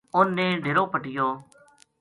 اُنھ نے ڈیرو پٹیو